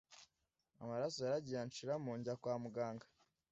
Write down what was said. Amaraso yaragiye anshiramo njya kwa muganga